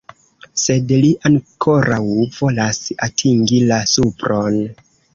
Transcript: Sed li ankoraŭ volas atingi la supron.